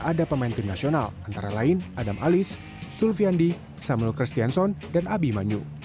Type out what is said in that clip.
ada pemain tim nasional antara lain adam alis sulviandi samuel kristianson dan abi manyu